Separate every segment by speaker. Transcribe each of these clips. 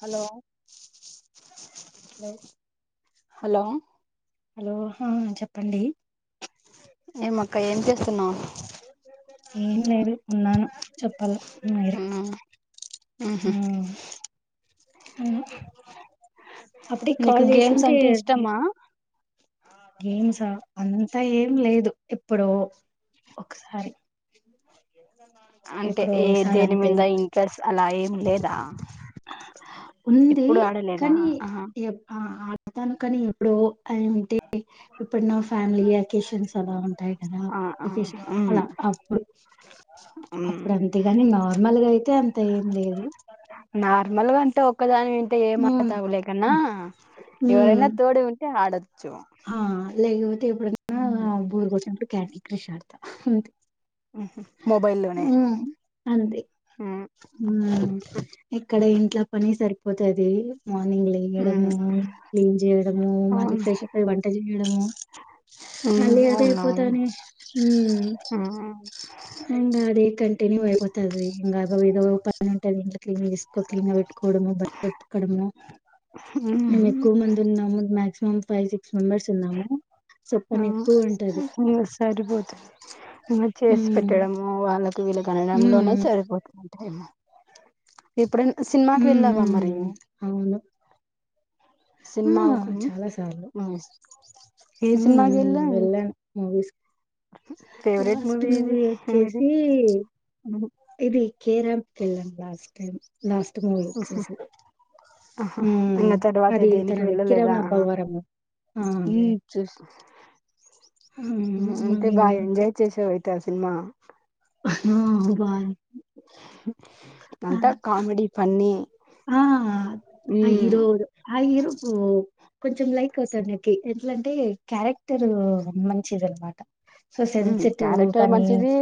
Speaker 1: Hello
Speaker 2: [unintelligible]
Speaker 1: hello
Speaker 2: hello ఆ చెప్పండి
Speaker 1: ఏమక్క ఏం చేస్తున్నావ్
Speaker 2: ఏం లేదు ఉన్నాను చెప్పాల మీరే
Speaker 1: అవునా ఆహా
Speaker 2: మ్ అప్పటికి
Speaker 1: నీకు
Speaker 2: కాల్
Speaker 1: గేమ్స్
Speaker 2: చేసింటే
Speaker 1: అంటే ఇష్టమా
Speaker 2: గేమ్సా అంతా ఏం లేదు ఎప్పుడో ఒకసారి
Speaker 1: అంటే
Speaker 2: ఎప్పుడో ఒకసారి
Speaker 1: దేని
Speaker 2: అంతేం
Speaker 1: మీద ఇంట్రెస్ట్ అలా ఏం లేదా
Speaker 2: ఉంది
Speaker 1: ఎప్పుడు ఆడలేదా
Speaker 2: కానీ
Speaker 1: ఆహా
Speaker 2: ఏప్ ఆ ఆడతాను కానీ ఎప్పుడో అంటే ఎప్పుడన్న ఫ్యామిలీ వెకేషన్స్ అలా ఉంటాయి కదా
Speaker 1: ఆ ఆ
Speaker 2: వెకేషన్స్
Speaker 1: ఉమ్
Speaker 2: అలా అప్పుడు
Speaker 1: ఉమ్
Speaker 2: అప్పుడు అంతేగాని నార్మల్గా అయితే అంత ఏం లేదు
Speaker 1: నార్మల్ గా అంటే ఒక్కదానివి అంటే ఏ
Speaker 2: మ్
Speaker 1: మాతాగులేకన్నా ఇవరైనా
Speaker 2: మ్
Speaker 1: తోడి ఉంటే ఆడచ్చు
Speaker 2: ఆ లేకపోతే ఎప్పుడన్నా బోరు కొడ్తే క్యాండి క్రష్ ఆడత అంతే
Speaker 1: మొబైల్ లోనే
Speaker 2: అంతె ఊ ఇక్కడ ఈ ఇట్లా పని సరిపోతది మార్నింగ్ లేయడము
Speaker 1: ఉమ్
Speaker 2: క్లీన్ చేయడము
Speaker 1: అవును
Speaker 2: మళ్ళీ ఫ్రెష్ అప్ అయి వంట చేయడము
Speaker 1: ఉమ్
Speaker 2: అళీ అద
Speaker 1: అవునవును
Speaker 2: అయిపోతానే ఊ ఇంగా అదే కంటన్యూ అయిపోతది ఇంగ అదో ఇదో పని ఉంటది ఇంట్ల క్లీన్ చేసుకో క్లీన్ గా పెట్టుకోవడము బట్టలు ఉతకడము
Speaker 1: ఉమ్
Speaker 2: మేము ఎక్కువ మంది ఉన్నాము maximum five six six members ఉన్నాము సొ పని
Speaker 1: ఉమ్
Speaker 2: ఎక్కువ ఉంటది
Speaker 1: ఉమ్ సరిపోతుంది చేసి
Speaker 2: హ్మ్
Speaker 1: పెట్టడము వాళ్ళకు వీళ కనడంలోనే
Speaker 2: హ్మ్
Speaker 1: సరిపోతుంటా ఇప్పుడు సినిమాకి
Speaker 2: హ్మ్.
Speaker 1: వెళ్ళావా మరి
Speaker 2: హ్మ్. అవును. ఆ
Speaker 1: సినిమాలకు
Speaker 2: చాలా సార్లు
Speaker 1: మూవీస్ ఏ సినిమాకి వెళ్ళావ్
Speaker 2: వెళ్ళాను మూవీస్
Speaker 1: ఫేవరెట్
Speaker 2: లాస్ట్
Speaker 1: ఏది
Speaker 2: మూవీ
Speaker 1: మీది
Speaker 2: వచ్చేసి ఇది కేరాంప్కి వెళ్ళాం లాస్ట్ టై లాస్ట్ మూవీ వచ్చేసి
Speaker 1: ఆహా
Speaker 2: ఉ
Speaker 1: ఇంగ తర్వాత
Speaker 2: అది
Speaker 1: దేనికి
Speaker 2: తనది
Speaker 1: వెళ్ళలేదా
Speaker 2: కిరణ్ అబ్బవరం
Speaker 1: మ్మ్ చూసి
Speaker 2: హ్మ్.
Speaker 1: ంత
Speaker 2: మళ్ళీ
Speaker 1: బాయ
Speaker 2: అంతే.
Speaker 1: ఎజాయ చేష వయితే అస సినిమా
Speaker 2: ఆ! బావుంది. ఆ!
Speaker 1: అంతా కమెడి
Speaker 2: ఆ
Speaker 1: మ్మ్
Speaker 2: అరో ఆరు కొంచెం లైక్ అవుతాడు నాకి ఎట్లాంటే క్యారెక్టర్ మంచిది అనమాట
Speaker 1: ఉ క్యారెక్టర్ మంచిది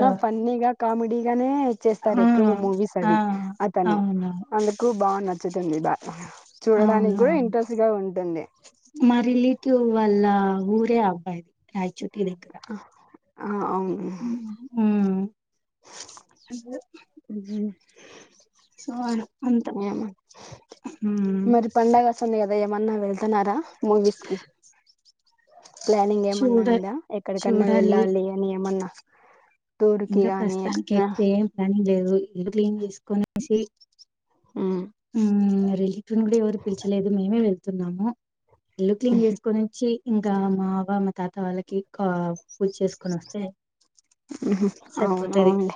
Speaker 2: ఆ!
Speaker 1: ఫన్నిగా కమెమిడిగానే చ్చేస్తారు
Speaker 2: ఆ
Speaker 1: ఎక్కువ మూవీస్
Speaker 2: ఆ
Speaker 1: అవి అతను
Speaker 2: అవును
Speaker 1: అందుకు బాగా నచ్చుతుంది బా చూడడానికి
Speaker 2: అవును
Speaker 1: కూడా
Speaker 2: అవును
Speaker 1: ఇంట్రెస్ట్ గా ఉంటుంది
Speaker 2: మా రిలేటివ్ వాళ్ళ ఊరే అబ్బాయిది రాయిచోటి దగ్గర
Speaker 1: ఆ అవును
Speaker 2: ఉమ్ ఉమ్. సో అన్- అంత
Speaker 1: ఏమ
Speaker 2: ఉమ్
Speaker 1: మరి పండగా సన్న అదయమన్నా వెళ్తనారా మూవీస్ కి ప్లానింగ్ ఏమన్నా
Speaker 2: చూడ
Speaker 1: ఉందా ఎక్కడికన్నా
Speaker 2: చూడాలి
Speaker 1: వెళ్ళాలి అని ఏమన్నా టూర్ కి
Speaker 2: ఇంకా
Speaker 1: గాని ఎక్కడనా
Speaker 2: ప్రస్తుతానికిస్తతే ఏం ప్లానింగ్ లేదు ఇది క్లీన్ చేసుకనేసి రిలేటివ్ని కూడా ఎవరు పిల్చలేదు మేమే వెళ్తున్నాము ఇల్లు క్లీన్ చేసుకొని వచ్చి ఇంకా మా బబ మా తాత వాళ్ళకి పూజ చేసుకొని వస్తే
Speaker 1: అవును
Speaker 2: సరిపోతది
Speaker 1: అవునులే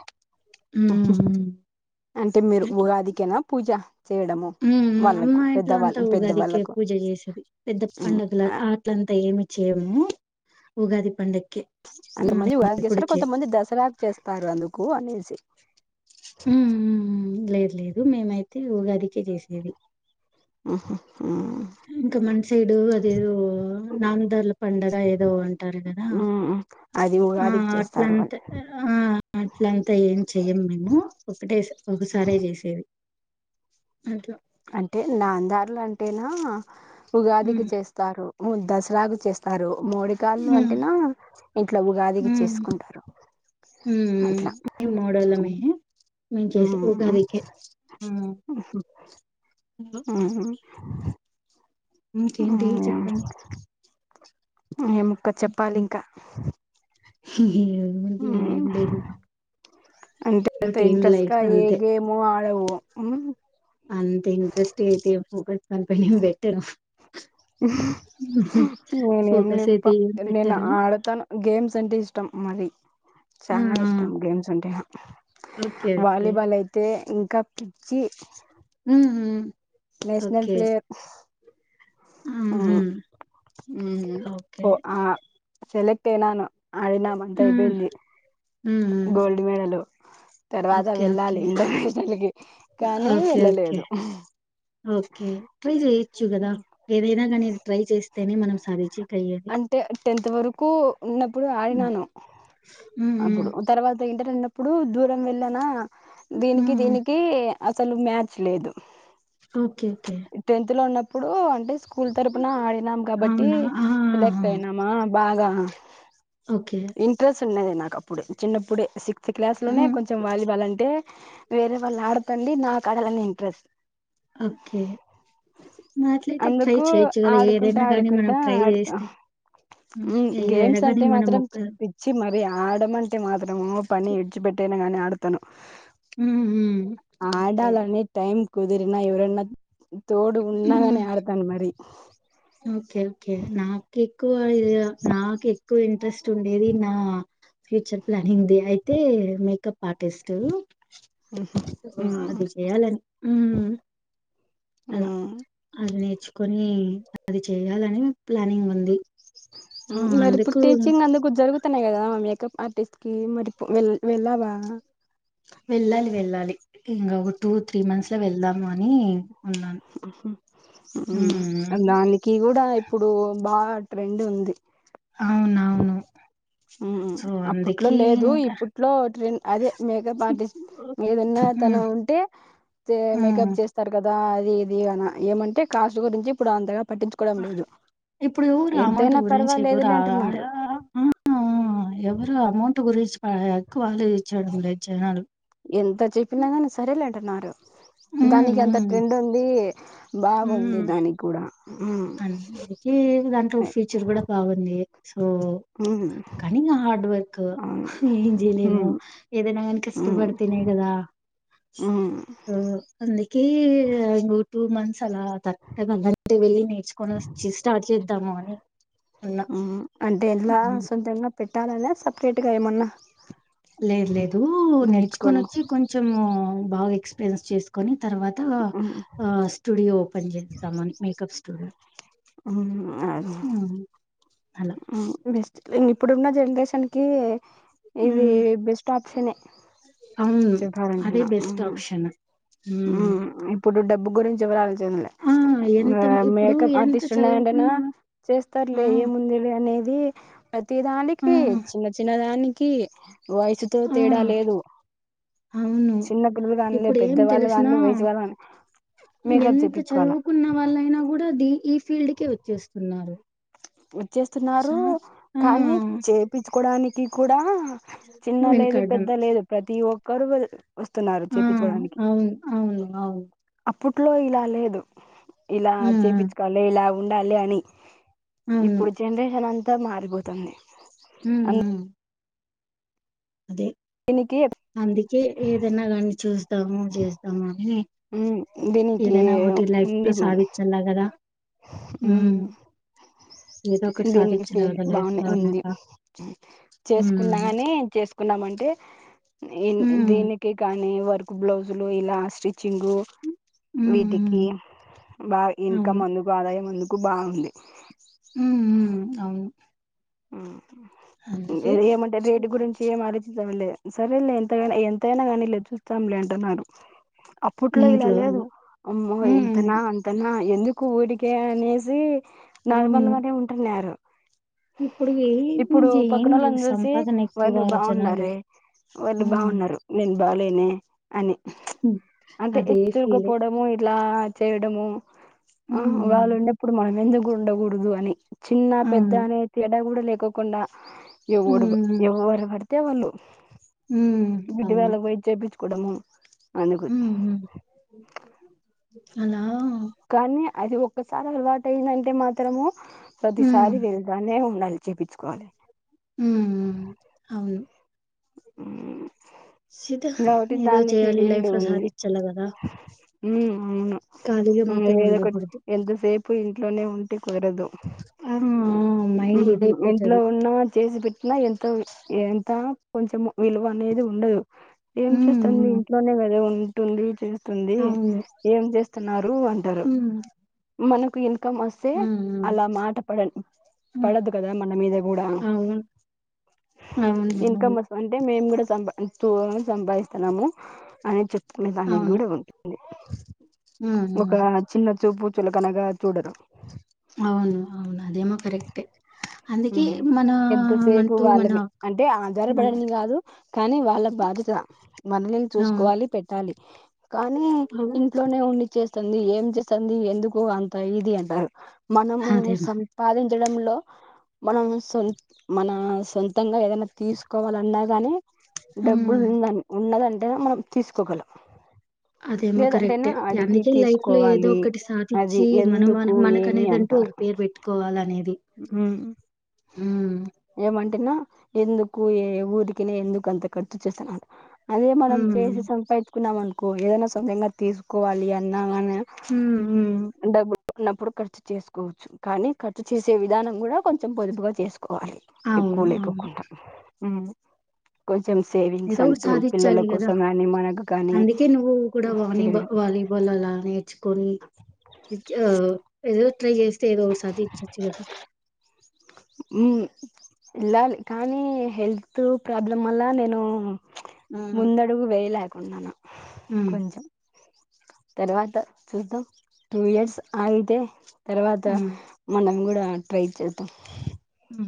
Speaker 2: ఉమ్
Speaker 1: అంటే మీరు ఉగాదికేనా పూజ చేయడము
Speaker 2: ఉ
Speaker 1: వాళ్ళకు
Speaker 2: అమ్మా ఇంట్లో అంతా
Speaker 1: పెద్దవాళ్ళ
Speaker 2: ఉగాదికే
Speaker 1: పెద్దవాళ్ళకు
Speaker 2: పూజ చేసేది పెద్ద
Speaker 1: ఉమ్
Speaker 2: పండుగల
Speaker 1: ఆ
Speaker 2: ఆట్లంతా ఏమి చేము ఉగాది పండగ
Speaker 1: అంతమంది వాగస్తారు కొంతమంది దసరాకు చేస్తారు అందుకు అనేసి
Speaker 2: లేదు లేదు మేమైతే ఉగాదికే చేసేది
Speaker 1: ఆహా
Speaker 2: ఇంకా మన్ సైడు అదేదో నాన్నదళ పండగ ఏదో అంటారు కదా
Speaker 1: అది
Speaker 2: ఆ
Speaker 1: ఉగాదికి చేస్తారు వాళ్ళు
Speaker 2: అట్లంతా ఆ అట్లంతా ఏం చెయ్యం మేము ఒకటే ఒకసారే చేసేది అట్లా
Speaker 1: అంటే నాందారులు అంటేనా
Speaker 2: హ్మ్
Speaker 1: ఉగాదికి చేస్తారు దసరాకు చేస్తారు మూడి కాళ్ళ
Speaker 2: హ్మ్
Speaker 1: అంటేనా ఇంట్లో ఉగాది అదిగి చేసుకుంటారు అట్లా
Speaker 2: మీ మోడలమే మే చేసి ఉగాదికె
Speaker 1: ఆహా
Speaker 2: ఇంకేంటి చెప్పండి
Speaker 1: మేముక్క చెప్పాలి ఇంకా
Speaker 2: ఏముంది ఏం లేదు
Speaker 1: అంటే
Speaker 2: రొటీన్ లైఫ్
Speaker 1: ఇంట్రెస్ట్గా ఏ
Speaker 2: అంతే
Speaker 1: గేమ్ లేవు
Speaker 2: అంత ఇంట్రెస్ట్ంగ్ అయితే ఫోకస్ కప బట్టెరు
Speaker 1: నేను ఏం
Speaker 2: ఫోకస్ అయితే ఏం
Speaker 1: నేను
Speaker 2: పెట్టను
Speaker 1: ఆడతాను గేమ్స్ సె ఇష్టం మీ
Speaker 2: ఆ
Speaker 1: చాలా
Speaker 2: ఆ
Speaker 1: ఇష్టం గేమ్స్ ఉంటే
Speaker 2: ఓకే ఓకే
Speaker 1: వాలీబాల్ అయితే ఇంకా కబీచి
Speaker 2: ఉ
Speaker 1: నేషనల్ ప్లే
Speaker 2: హ్మ్ హ్మ్ ఓకే
Speaker 1: పో ఆ సెలక్ట్ ఏనాను ఆడినామ అంతా
Speaker 2: హ్మ్
Speaker 1: అయిపోయింది
Speaker 2: హ్మ్
Speaker 1: గోల్డ్ మెడల్ తర్వాత
Speaker 2: ఓకే ఓకే
Speaker 1: వెళ్ళాలి ఇంటర్నేషనల్కి కానీ
Speaker 2: ఓకే ఓకే
Speaker 1: వెళ్ళలేదు
Speaker 2: ఓకే ట్రై చేయచ్చు
Speaker 1: ఆ
Speaker 2: కదా ఏదైనా గానీ ట్రై చేస్తేనే మనం సాధించి
Speaker 1: అంటే టెన్త్ వరకు ఉన్నప్పుడు
Speaker 2: హ్మ్.
Speaker 1: ఆడినాను
Speaker 2: హ్మ్.
Speaker 1: అప్పుడు
Speaker 2: హ్మ్.
Speaker 1: తర్వాత ఇంటర్ ఉన్నప్పుడు దూరం వెళ్ళనా దీనికి
Speaker 2: హ్మ్.
Speaker 1: దీనికి అసలు మ్యాచ్ లేదు
Speaker 2: ఓకే ఓకే
Speaker 1: ఇప్పుడు అంటే స్కూల్ తరఫున ఆడినాం కాబట్టి
Speaker 2: అవునా! ఆ! ఆ! ఆ!
Speaker 1: పోయినమా బాగా
Speaker 2: ఓకే.
Speaker 1: ఇంట్రెస్ట్ ఉన్నది నాకు అప్పుడ చిన్నప్పుడే [unintelligible] క్లాస్ లోనే
Speaker 2: హ్మ్.
Speaker 1: కొంచెం వాలీబాల్ అంటే వేరే వాళ్ళు ఆడతండి నాకు ఆడాలని ఇంట్రెస్ట్
Speaker 2: ఓకే అట్లయితే ట్రై
Speaker 1: అందుకు
Speaker 2: చేయొచ్చు కదా
Speaker 1: ఆడుకుంటా
Speaker 2: ఏదైనా కానీ మనం
Speaker 1: ఆడుకుంటా
Speaker 2: ట్రై చే
Speaker 1: గేమ్స్
Speaker 2: గానీ
Speaker 1: అంటే
Speaker 2: మనం
Speaker 1: మాత్రం
Speaker 2: ఒక
Speaker 1: పిచ్చి మ అవి ఆడమంటే మాత్రము పని విడిచిపెట్టేనా కానీ ఆడతాను
Speaker 2: ఉమ్ ఉమ్
Speaker 1: ఆడాలనే టైమ్ కుదిరినా ఎవరన్నా తోడు
Speaker 2: హ్మ్.
Speaker 1: ఉన్నాగాని ఆడతాను మరి
Speaker 2: ఓకే ఓకే నాకు ఎక్కువ ఇ నాకు ఎక్కువ ఇంట్రెస్ట్ ఉండేది నా ఫ్యూచర్ ప్లానింగ్ది అయితే మేకప్ ఆర్టిస్ట్ సో అది చెయాలని అలా అది నేర్చుకొని అది చేయాలని ప్లానింగ్ ఉంది సో,
Speaker 1: మరి
Speaker 2: అందుకు
Speaker 1: పుట్టి చింగ్ అందుకు జరుగు వస్తున్నాయి కదా మేకప్ ఆర్టిస్ట్ కి మరి వె వెళ్ళావా
Speaker 2: వెళ్ళాలి వెళ్ళాలి ఇంకా ఒక టూ త్రీ మంత్స్ లో వెళ్దాము అని ఉన్నాను. హ్మ్.
Speaker 1: దానికి కూడా ఇప్పుడు బా రెండూ ఉంధి
Speaker 2: అవునవును. సో,
Speaker 1: అప్పట్లో
Speaker 2: అందుకే
Speaker 1: లేదు
Speaker 2: ఇంకా
Speaker 1: ఇప్పట్లో ట్రెండ్ అదే మేకప్ ఆర్టిస్ట్
Speaker 2: ఇప్పుడు
Speaker 1: ఏద తను
Speaker 2: హ్మ్.
Speaker 1: ఉంటే
Speaker 2: హ్మ్.
Speaker 1: మేకప్ చేస్తారు కదా ద అది ఇది అనా ఏమంటే కాస్ట్ గురించి ఇప్పుడు అంతగా పట్టించుకోవడం లేదు
Speaker 2: ఇప్పుడు రాధు
Speaker 1: ఎంతైనా
Speaker 2: ఎంచెపు
Speaker 1: పర్వాలేదులే
Speaker 2: రాధు
Speaker 1: అంటున్నారు
Speaker 2: రారా ఆ ఎవరు అమౌంట్ గురించి ఎక్కువలు ఇచ్చయడం లేదు జనాలు
Speaker 1: ఎంత చెప్పినా సరేలే అంటున్నారు
Speaker 2: హ్మ్.
Speaker 1: దానికి ఎంత
Speaker 2: హ్మ్.
Speaker 1: ట్రెండ్ ఉంది బాగుంది దానికి కూడా మ్మ్
Speaker 2: అందుకీ దాంట్లో ఫ్యూచర్ కూడా బాగుంది సో
Speaker 1: మ్మ్
Speaker 2: కానీ నా హార్డ్ వర్క్
Speaker 1: అవును
Speaker 2: ఏం చేయలేము
Speaker 1: మ్మ్
Speaker 2: ఏదైనా కనుక
Speaker 1: మ్మ్
Speaker 2: ఇష్టపడతనే కదా
Speaker 1: మ్మ్
Speaker 2: అందుక [unintelligible] టూ మంత్స్ అలా [unintelligible] వెళ్ళ తీుకొని వచ్చ స్టార్ట్ చేద్దాము అని ఉన్నా
Speaker 1: మ్మ్ అంటే ఎలా సొంతంగా పెట్టాలనే సపరేట్గా ఏమన్నా
Speaker 2: లేదు లేదు నేర్చుకొని వచ్చి కొంచెం బాగా ఎక్స్ ప్రెజెన్స్ చేసుకొని తర్వాత
Speaker 1: మ్మ్
Speaker 2: ఆ స్టూడియో ఓపెన్ చేస్తామని మేకప్ స్టూడియో
Speaker 1: మ్మ్
Speaker 2: అ
Speaker 1: బెస్ట్ ఇప్పుడున్న జనరేషన్ కి ఇది
Speaker 2: హ్మ్
Speaker 1: బెస్ట్ ఆప్షనే
Speaker 2: అవును
Speaker 1: చెప్పాలంటే
Speaker 2: అదే
Speaker 1: నా
Speaker 2: బెస్ట్ ఆప్షన్ హ్మ్
Speaker 1: ఇప్పుడు డబ్బు గురించి ఎవరాలోచనలే
Speaker 2: ఆ
Speaker 1: ఆ
Speaker 2: ఎంత ఇప్పుడు
Speaker 1: మేకప్
Speaker 2: ఎంత
Speaker 1: ఆర్టిస్ట్ ఉన్నాండనా
Speaker 2: చదువుకున్నావా ఆ
Speaker 1: చేస్తారులే ఏముంది లే అనేది ఇది ప్రతి
Speaker 2: ఆ
Speaker 1: దానికి చిన్న చిన్న దానికి వయసుతో
Speaker 2: ఆ
Speaker 1: తేడా లేదు
Speaker 2: అవును
Speaker 1: చిన్న పిల్లలుగా గాన్లే
Speaker 2: ఇప్పుడు
Speaker 1: పెద్
Speaker 2: ఏం తెలుసున
Speaker 1: మేకప్
Speaker 2: ఎంత
Speaker 1: చేపించుకోవాలా
Speaker 2: చదువుకున్న వాళ్ళయినా కూడా డి ఈ ఫీల్డ్కే వచ్చేస్తున్నారు
Speaker 1: వచ్చేస్తున్నారు
Speaker 2: చా ఆ
Speaker 1: కానీ చేయించుకోడానికి కూడా చిన్న లేదు
Speaker 2: వెనుకాడ్డం
Speaker 1: పెద్ద లేదు ప్రతి ఒక్కరుూ వెల్ వస్తున్నారు
Speaker 2: ఆ
Speaker 1: చేయిించుకోడానికి
Speaker 2: అవును అవును అవును
Speaker 1: అప్పుట్లో ఇలా లేదు ఇలా
Speaker 2: హ్మ్ హ్మ్
Speaker 1: చేపించుకోవాలి ఇలా ఉండాలి అని
Speaker 2: అవును
Speaker 1: ఇప్పుడు జనరేషన్ అంతా మారిపోతంది
Speaker 2: ఉ ఉ అదే
Speaker 1: దీనికి
Speaker 2: అందికే ఏదైన్నా గాని చూస్తాం తమో చేస్తామో అని
Speaker 1: దీనికి
Speaker 2: ఏదైనా ఒకటి లైఫ్ లో సాధించలా కదా
Speaker 1: ఉ
Speaker 2: ఏదో ఒకటి
Speaker 1: దీనికి
Speaker 2: సాధించల్ల
Speaker 1: ఫీల్
Speaker 2: గదా లైఫ్
Speaker 1: బాగునే
Speaker 2: లో
Speaker 1: ఉంది
Speaker 2: అన్నాక
Speaker 1: చేసుకున్నా
Speaker 2: హ్మ్
Speaker 1: కాని చేసుకున్నామంటే అంటే ఇన్
Speaker 2: హ్మ్
Speaker 1: దీనికి కానీ వర్క్ బ్లౌజులు ఇలా స్టిచ్చింగ్
Speaker 2: హ్మ్
Speaker 1: వీటికి
Speaker 2: హ్మ్
Speaker 1: బా
Speaker 2: అవును
Speaker 1: ఇన్కమ్ అందుకు ఆదాయం అందుకు బాగుంది
Speaker 2: ఉ ఉ అవును
Speaker 1: ఉ
Speaker 2: అందుకే
Speaker 1: ఏది ఏమంటే రేటు గురించి ఏ ఆరచిద్దా వెళ్ళ సరేలే ఎంతగాని ఎంతైనా కానీ ఇలే చూస్తాంలే అంటున్నారు
Speaker 2: మీ
Speaker 1: అప్పట్లో ఇలా
Speaker 2: ఇంట్లో వాళ్ళ
Speaker 1: లేదు అమ్మో
Speaker 2: హ్మ్
Speaker 1: ఎంతనా అంతనా ఎందుకు ఊడికే అనేసి
Speaker 2: అవును
Speaker 1: నార్మల్గానే ఉంటున్నారు
Speaker 2: ఇప్పుడు ఏమి
Speaker 1: ఇప్పుడు
Speaker 2: ఏం
Speaker 1: పక్కన
Speaker 2: లేదు
Speaker 1: వాళ్ళని చూసి
Speaker 2: సంపాదన ఎక్కువ
Speaker 1: వాళ్ళు
Speaker 2: జనాలు
Speaker 1: బాగున్నారే వాళ్ళు
Speaker 2: హ్మ్
Speaker 1: బాగున్నారు నేన్ బాలేనే అని అంటే
Speaker 2: అదే
Speaker 1: తెచ్చుకు
Speaker 2: ఫీలే
Speaker 1: పోవడము ఇలా చేయడము ఆ వాళ్ళు
Speaker 2: హ్మ్
Speaker 1: ఉన్నప్పుడు మనం ఎందుకు ఉండకూడదు అని చిన్న పెద్ద
Speaker 2: అవును
Speaker 1: అనే తేడా కూడా లేకోకుండా ఎవడు
Speaker 2: హ్మ్
Speaker 1: ఎవరు పడ్ తే వాళ్ళు
Speaker 2: హ్మ్
Speaker 1: బ్యూటీ పార్లర్ పోయి చేయిించుకోవడము
Speaker 2: ఉ ఉ అలా
Speaker 1: కానీ అది ఒక్కసారి అలవాటు అయిందంటే మాత్రము
Speaker 2: హ్మ్.
Speaker 1: ప్రతిసారి వెళ్తనే ఉండాలి చేపించుకోవాలి
Speaker 2: ఉ ఉ అవును
Speaker 1: ఉ
Speaker 2: సిత ఏదో చేయాలి లైఫ్ లో సాధించాల కదా
Speaker 1: ఉ అవును ఏదో ఒకటి
Speaker 2: ఉండకూడదు.
Speaker 1: ఎంత సేప్ ప్పు ఇంట్లోనే ఉంటే కుదరదు
Speaker 2: ఆ! ఆ! మైండ్
Speaker 1: ఇంట్లో
Speaker 2: ఇదైపోతది.
Speaker 1: ఉన్న చేసి పెట్టినా ఎంత ఎంత కొంచెం విలువ అనేది ఉండదు ఏం
Speaker 2: హ్మ్.
Speaker 1: చేస్తుంది
Speaker 2: హ్మ్.
Speaker 1: ఇంట్లోనే కద ఏ ఉంటుంది చేస్తుంది
Speaker 2: అవును.
Speaker 1: ఏం చేస్తున్నారు రూ అంటారు
Speaker 2: హ్మ్.
Speaker 1: మనకు ఇన్కమ్ వస్తే
Speaker 2: హ్మ్. హ్మ్.
Speaker 1: అలా మాట పడను
Speaker 2: హ్మ్.
Speaker 1: పడద్దు కదా మన మీద కూడా
Speaker 2: అవును. అవును అవును.
Speaker 1: ఇన్కమ్ అంటే మేము కూడా సంపా టు సంపాదిస్తున్నాము అనే చెప్పుకునే దానికి
Speaker 2: అవును.
Speaker 1: కూడా ఉంటుంది
Speaker 2: హ్మ్.
Speaker 1: ఒక
Speaker 2: హ్మ్.
Speaker 1: చిన్న చూపుూచుల కనగా చూడరు
Speaker 2: అవును. అవును. అదేమో కరెక్టే.
Speaker 1: ఉ
Speaker 2: అందుకే మనా
Speaker 1: ఎంతసేపు
Speaker 2: మంటూ మన
Speaker 1: వాళ్ళమే అంటే
Speaker 2: మన
Speaker 1: ఆధారపడని కాదు కానీ వాళ్ళ బాధ్యత మనమే
Speaker 2: అవును.
Speaker 1: చూసుకోవాలి పెట్టాలి కానీ
Speaker 2: అవును.
Speaker 1: ఇంట్లోనే వండి చేస్ తుంది ఏం చేస్తుంది ఎందుకు అంత ఇది అంటారు మనము
Speaker 2: అదే మరి.
Speaker 1: సంపాదిం చడంలో మనం సోత్ మన సొంతంగా ఏదైనా తీసుకోవాలన్నా గాని డబ్బులు
Speaker 2: హ్మ్.
Speaker 1: ఉందని ఉన్నదంటేనే మనం తీసుకోగలం
Speaker 2: అదేమో కరెక్టే
Speaker 1: లేదంటేనా అడిగి
Speaker 2: అందుకే లైఫ్ లో ఏదో
Speaker 1: తీసుకోవాలి
Speaker 2: ఒకటి
Speaker 1: అది
Speaker 2: సాధించి మనం
Speaker 1: ఎందుకు
Speaker 2: మనుక అనేదంటు ఒక పేరు పెట్టుకోవాలి అనేది
Speaker 1: హ్మ్మ్
Speaker 2: హ్మ్మ్
Speaker 1: ఏమంటేన్నా ఎందుకు ఏ ఊరికినే ఎందుకు అంత ఖర్చు చేస్తున్నారు అన అదే మనం
Speaker 2: హ్మ్.
Speaker 1: చేసి సంపాదించుకున్నాం అనుకో ఏదైనా సవజంగా తీసుకోవాలి అన్నామని
Speaker 2: హ్మ్మ్ హ్మ్
Speaker 1: ఉన్నప్పుడు ఖర్చు చేసుకోవచ్చు కానీ ఖర్చు చేసే విధానం కూడా కొంచెం పొదుపుగా చేసుకో కోవాలి ఎక్కువ
Speaker 2: అవును. అవును.
Speaker 1: లేకొకుండా కొంచెం సేవింగ్స్
Speaker 2: ఏదో ఒకటి
Speaker 1: అంటూ పిల్లల
Speaker 2: సాధిచ్చాలి గదా!
Speaker 1: కోసం కాని మనకు కానీ చేయడం
Speaker 2: లానే ని ఆ ఏదో ట్రై చేస్తే ఏదో సాధించొచ్చు కదా
Speaker 1: ఉమ్ ఎల్లాలి కానీ హెల్త్ ప్రాబ్లం వల్ల నేను
Speaker 2: హ్మ్.
Speaker 1: ముందడుగు వేయలేకుండాను
Speaker 2: హ్మ్.
Speaker 1: కొంచెం తర్వాత చూద్దాం టూ ఇయర్స్ ఆగితే తర్వాత
Speaker 2: హ్మ్.
Speaker 1: మనం కూడా ట్రై చేద్దాం
Speaker 2: హ్మ్.